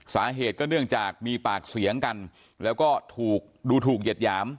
สาเหตุก็เนื่องจากมีปากเสียงกันแล้วก็ถูกดูถูกเหยียดหยาม